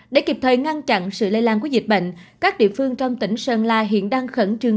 để kịp thời ngăn chặn sự lây lan của dịch bệnh các địa phương trong tỉnh sơn la hiện đang khẩn trương